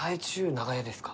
長屋ですか？